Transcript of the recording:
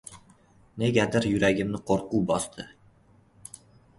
Negadir yuragimni qo‘rquv bosdi.